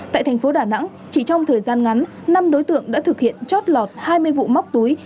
tại thành phố đà nẵng chỉ trong thời gian ngắn năm đối tượng đã thực hiện chót lọt hai mươi vụ móc túi